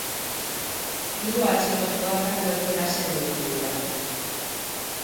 Hiru atxilotuak karguekin aske gelditu dira.